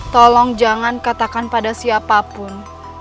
tolong jangan katakan pada siapapun